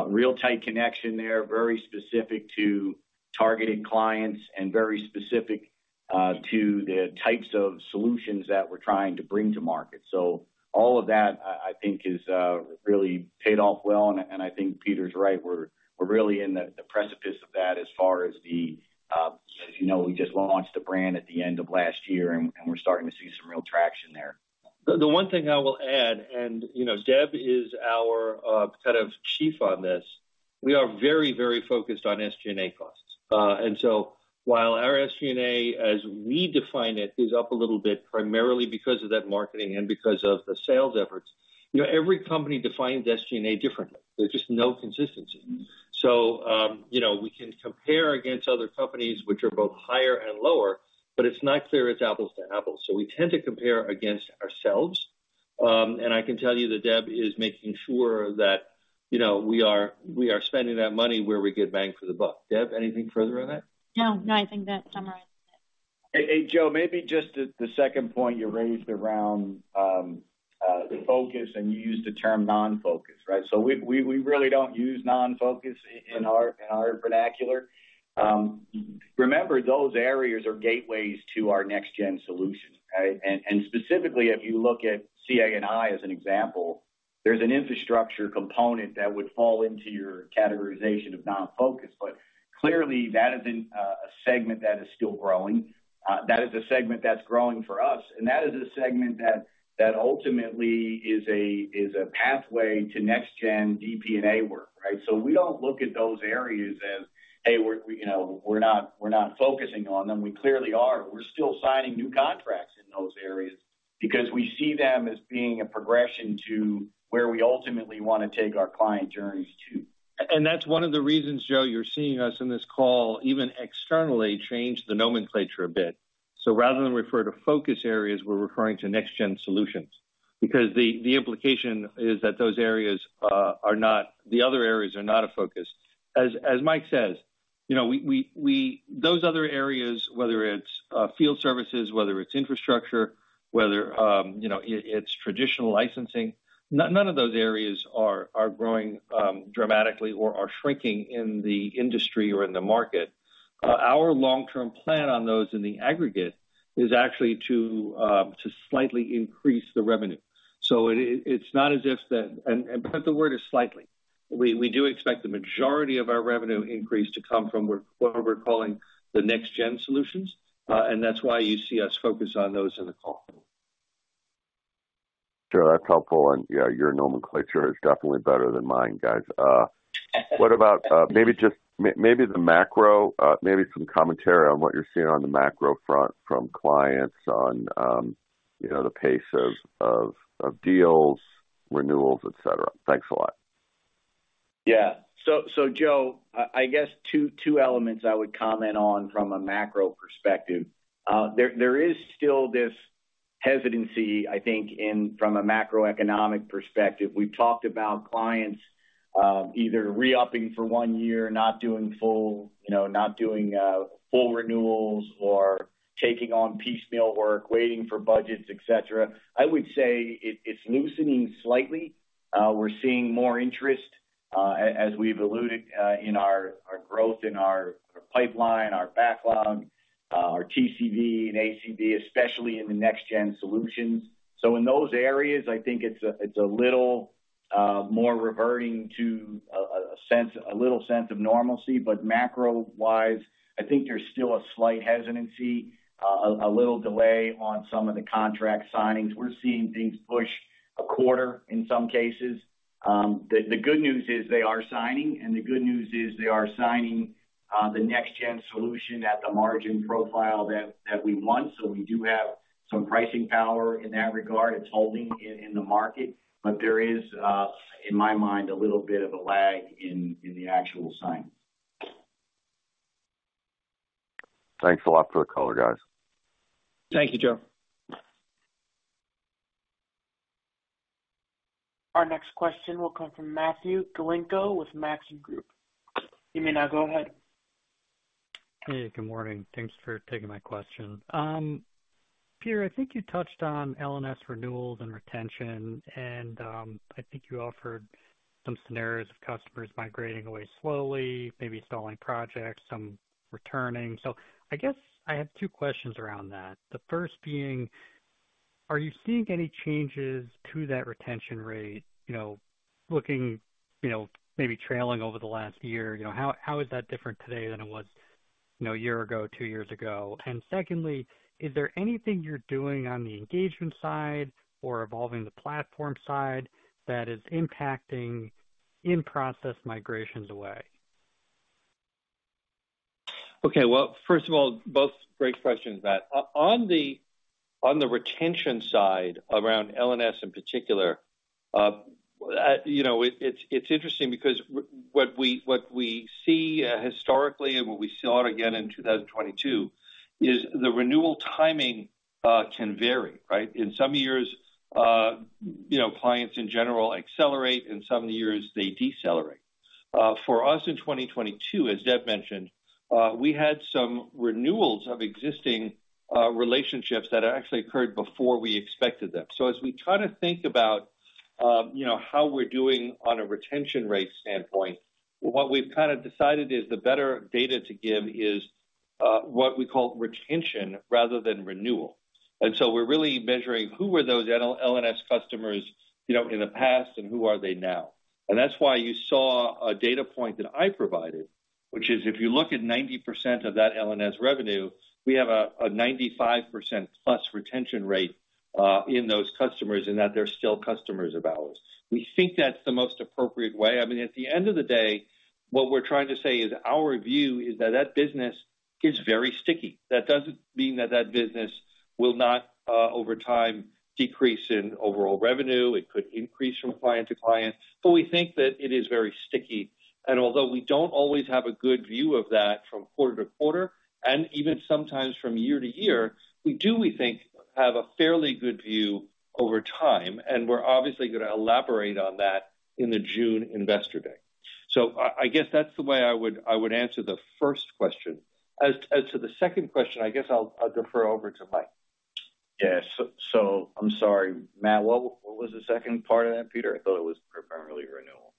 Real tight connection there, very specific to targeted clients and very specific to the types of solutions that we're trying to bring to market. All of that I think is really paid off well, and I think Peter's right. We're really in the precipice of that as far as, you know, we just launched the brand at the end of last year, and we're starting to see some real traction there. The one thing I will add, and, you know, Deb is our kind of chief on this, we are very focused on SG&A costs. While our SG&A, as we define it, is up a little bit primarily because of that marketing and because of the sales efforts, you know, every company defines SG&A differently. There's just no consistency. You know, we can compare against other companies which are both higher and lower, but it's not clear it's apples to apples. We tend to compare against ourselves. I can tell you that Deb is making sure that, you know, we are spending that money where we get bang for the buck. Deb, anything further on that? No, no, I think that summarizes it. Hey, Joe, maybe just the second point you raised around the focus, and you used the term non-focus, right? We really don't use non-focus in our, in our vernacular. Remember, those areas are gateways to our Next-Gen Solutions, right? Specifically, if you look at CA&I as an example, there's an infrastructure component that would fall into your categorization of non-focus. Clearly that has been a segment that is still growing. That is a segment that's growing for us, and that is a segment that ultimately is a pathway to Next-Gen DP&A work, right? We don't look at those areas as, hey, we're, you know, we're not focusing on them. We clearly are. We're still signing new contracts in those areas because we see them as being a progression to where we ultimately wanna take our client journeys to. That's one of the reasons, Joe, you're seeing us in this call, even externally change the nomenclature a bit. Rather than refer to focus areas, we're referring to Next-Gen Solutions. The implication is that those areas, the other areas are not a focus. As Mike says, you know, we, those other areas, whether it's field services, whether it's infrastructure, whether, you know, it's traditional licensing, none of those areas are growing dramatically or are shrinking in the industry or in the market. Our long-term plan on those in the aggregate is actually to slightly increase the revenue. It, it's not as if. The word is slightly. We do expect the majority of our revenue increase to come from what we're calling the Next-Gen Solutions, and that's why you see us focus on those in the call. Sure. That's helpful. Yeah, your nomenclature is definitely better than mine, guys. What about maybe the macro, maybe some commentary on what you're seeing on the macro front from clients on, you know, the pace of deals, renewals, et cetera. Thanks a lot. Yeah. So Joe, I guess two elements I would comment on from a macro perspective. There is still this hesitancy, I think, from a macroeconomic perspective. We've talked about clients, either re-upping for one year, not doing full, you know, not doing full renewals or taking on piecemeal work, waiting for budgets, et cetera. I would say it's loosening slightly. We're seeing more interest, as we've alluded, in our growth in our pipeline, our backlog, our TCV and ACV, especially in the Next-Gen Solutions. In those areas, I think it's a little more reverting to a sense, a little sense of normalcy. Macro-wise, I think there's still a slight hesitancy, a little delay on some of the contract signings. We're seeing things push a quarter in some cases. The good news is they are signing, and the good news is they are signing, the Next-Gen Solution at the margin profile that we want. We do have some pricing power in that regard. It's holding in the market, but there is, in my mind, a little bit of a lag in the actual signing. Thanks a lot for the color, guys. Thank you, Joe. Our next question will come from Matthew Galinko with Maxim Group. You may now go ahead. Hey, good morning. Thanks for taking my question. Peter, I think you touched on L&S renewals and retention. I think you offered some scenarios of customers migrating away slowly, maybe stalling projects, some returning. I guess I have two questions around that. The first being, are you seeing any changes to that retention rate, looking maybe trailing over the last year? How is that different today than it was a year ago, two years ago? Secondly, is there anything you're doing on the engagement side or evolving the platform side that is impacting in-process migrations away? Okay. Well, first of all, both great questions, Matt. On the retention side around L&S in particular, you know, it's interesting because what we see historically and what we saw it again in 2022, is the renewal timing can vary, right? In some years, you know, clients in general accelerate, in some years they decelerate. For us in 2022, as Deb mentioned, we had some renewals of existing relationships that actually occurred before we expected them. As we try to think about, you know, how we're doing on a retention rate standpoint, what we've kinda decided is the better data to give is what we call retention rather than renewal. We're really measuring who were those L&S customers, you know, in the past and who are they now. That's why you saw a data point that I provided, which is if you look at 90% of that L&S revenue, we have a 95% plus retention rate in those customers and that they're still customers of ours. We think that's the most appropriate way. I mean, at the end of the day, what we're trying to say is our view is that that business is very sticky. That doesn't mean that that business will not, over time, decrease in overall revenue. It could increase from client to client, but we think that it is very sticky. Although we don't always have a good view of that from quarter to quarter and even sometimes from year to year, we do, we think, have a fairly good view over time, and we're obviously gonna elaborate on that in the June investor day. I guess that's the way I would answer the first question. As to the second question, I guess I'll defer over to Mike. Yes. I'm sorry, Matt, what was the second part of that, Peter? I thought it was primarily renewal.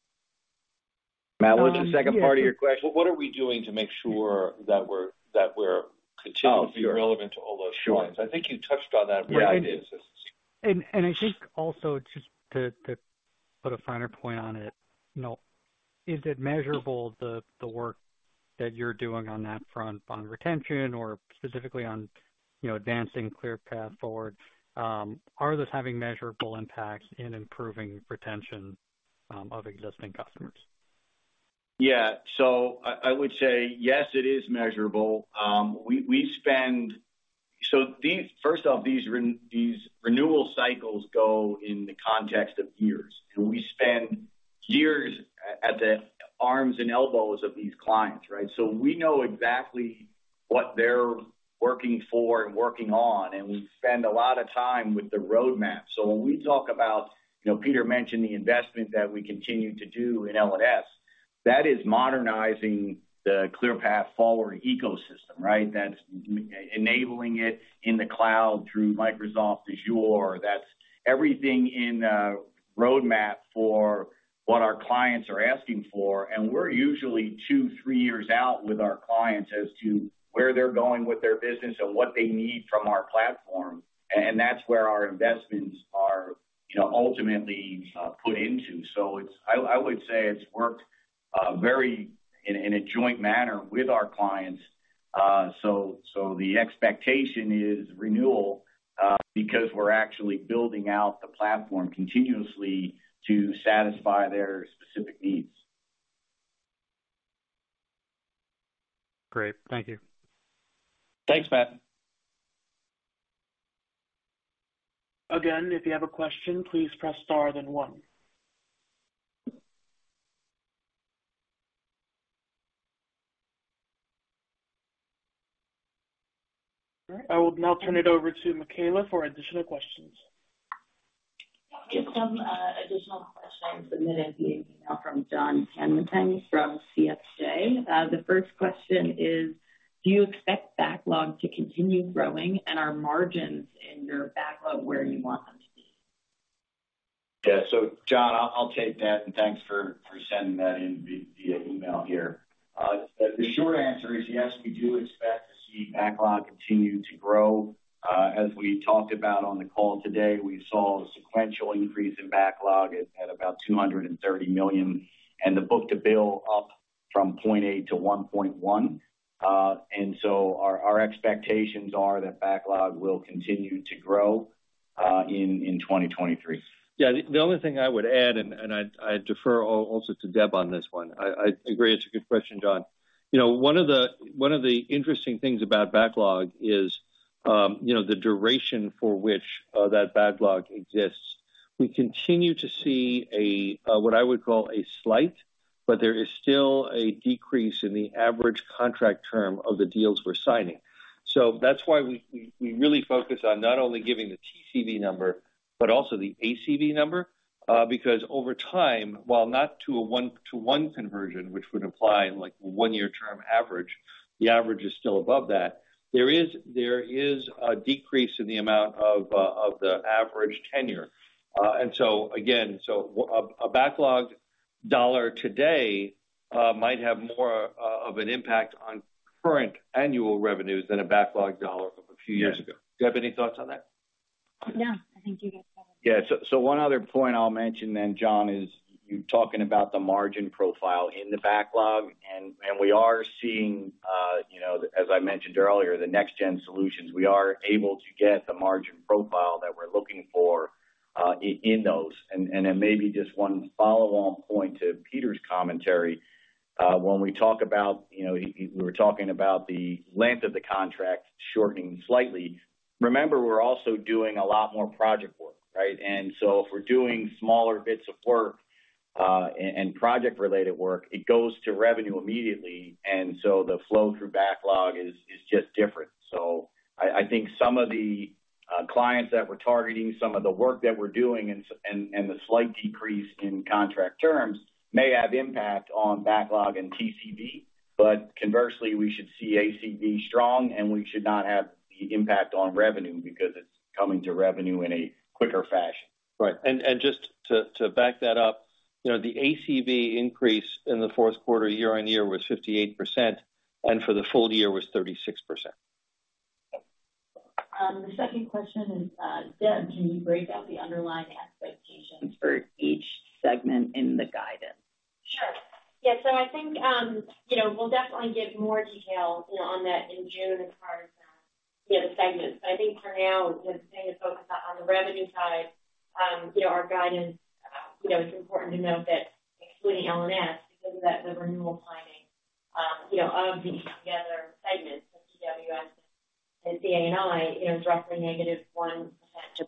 Matt, what was the second part of your question? What are we doing to make sure that we're continuing? Oh, sure. To be relevant to all those clients? Sure. I think you touched on that briefly. Yeah. I think also just to put a finer point on it, you know, is it measurable, the work that you're doing on that front on retention or specifically on, you know, advancing ClearPath Forward? Are those having measurable impacts in improving retention of existing customers? I would say yes, it is measurable. We spend first off, these renewal cycles go in the context of years, and we spend years at the arms and elbows of these clients, right? We know exactly what they're working for and working on, and we spend a lot of time with the roadmap. When we talk about, you know, Peter mentioned the investments that we continue to do in L&S, that is modernizing the ClearPath Forward ecosystem, right? That's enabling it in the cloud through Microsoft Azure. That's everything in a roadmap for what our clients are asking for. We're usually 2, 3 years out with our clients as to where they're going with their business and what they need from our platform. That's where our investments are, you know, ultimately put into. I would say it's worked, very in a joint manner with our clients. The expectation is renewal, because we're actually building out the platform continuously to satisfy their specific needs. Great. Thank you. Thanks, Matt. Again, if you have a question, please press star then one. All right, I will now turn it over to Michaela for additional questions. We have some additional questions submitted via email from John Remington from CFJ. The first question is, do you expect backlog to continue growing, and are margins in your backlog where you want them to be? John, I'll take that, and thanks for sending that in via email here. The short answer is yes, we do expect to see backlog continue to grow. As we talked about on the call today, we saw a sequential increase in backlog of about $230 million, and the book-to-bill up from 0.8 to 1.1. Our expectations are that backlog will continue to grow in 2023. The only thing I would add, I defer also to Deb on this one. I agree it's a good question, John. You know, one of the, one of the interesting things about backlog is, you know, the duration for which that backlog exists. We continue to see a what I would call a slight, but there is still a decrease in the average contract term of the deals we're signing. That's why we really focus on not only giving the TCV number but also the ACV number. Because over time, while not to a 1-to-1 conversion, which would imply like a 1-year term average, the average is still above that. There is a decrease in the amount of the average tenure. Again, so a backlog dollar today, might have more of an impact on current annual revenues than a backlog dollar from a few years ago. Yeah. Deb, any thoughts on that? No. I think you guys covered it. One other point I'll mention then, John, is you talking about the margin profile in the backlog, and we are seeing, you know, as I mentioned earlier, the Next-Gen Solutions, we are able to get the margin profile that we're looking for, in those. Then maybe just one follow-on point to Peter's commentary. When we talk about, you know, we were talking about the length of the contract shortening slightly. Remember, we're also doing a lot more project work, right? If we're doing smaller bits of work, and project-related work, it goes to revenue immediately. The flow through backlog is just different. I think some of the clients that we're targeting, some of the work that we're doing and the slight decrease in contract terms may have impact on backlog and TCV, but conversely, we should see ACV strong, and we should not have the impact on revenue because it's coming to revenue in a quicker fashion. Right. Just to back that up, you know, the ACV increase in the fourth quarter year-over-year was 58%, and for the full year was 36%. The second question is, Deb, can you break out the underlying expectations for each segment in the guidance? Sure. Yeah. I think, you know, we'll definitely give more detail, you know, on that in June as far as, you know, the segments. I think for now, you know, staying focused on the revenue side, you know, our guidance, you know, it's important to note that excluding L&S because of that, the renewal timing, you know, of the together segments of DWS and CA&I is roughly -1% to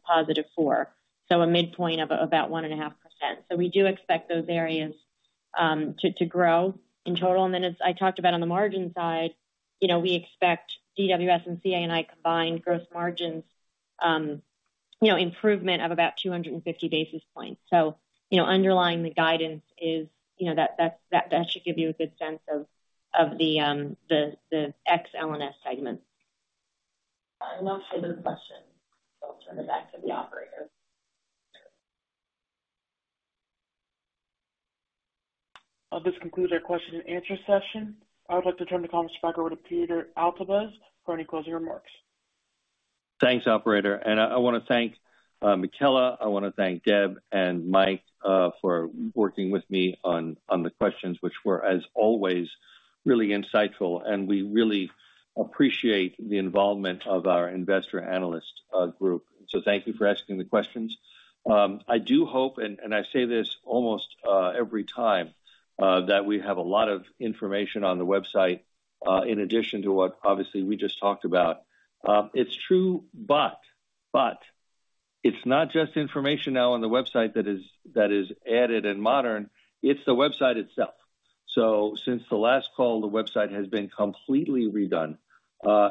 +4%. A midpoint of, about 1.5%. We do expect those areas to grow in total. As I talked about on the margin side, you know, we expect DWS and CA&I combined gross margins, you know, improvement of about 250 basis points. You know, underlying the guidance is, you know, that's, that should give you a good sense of the ex L&S segments. No further questions, so I'll turn it back to the operator. This concludes our question and answer session. I would like to turn the conference back over to Peter Altabef for any closing remarks. Thanks, operator. I wanna thank Michaela, I wanna thank Deb and Mike for working with me on the questions, which were, as always, really insightful, and we really appreciate the involvement of our investor analyst group. Thank you for asking the questions. I do hope, and I say this almost every time, that we have a lot of information on the website, in addition to what obviously we just talked about. It's true, but it's not just information now on the website that is added and modern. It's the website itself. Since the last call, the website has been completely redone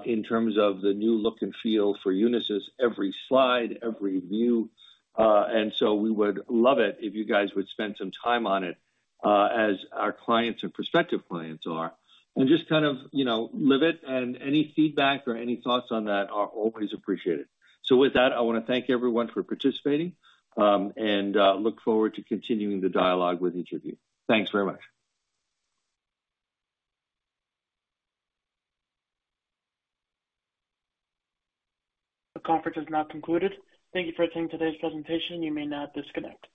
in terms of the new look and feel for Unisys, every slide, every view. We would love it if you guys would spend some time on it, as our clients and prospective clients are. Just kind of, you know, live it, and any feedback or any thoughts on that are always appreciated. With that, I wanna thank everyone for participating, and look forward to continuing the dialogue with each of you. Thanks very much. The conference is now concluded. Thank you for attending today's presentation. You may now disconnect.